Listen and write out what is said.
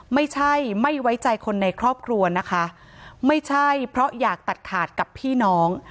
ไม่ใช่ไม่ไว้ใจคนในครอบครัวนะคะไม่ใช่เพราะอยากตัดขาดกับพี่น้อง